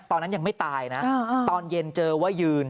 ตอนนั้นยังไม่ตายนะตอนเย็นเจอว่ายืน